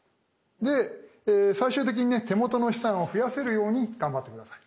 で最終的にね手元の資産を増やせるように頑張って下さい。